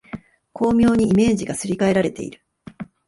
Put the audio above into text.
巧妙にイメージがすり替えられている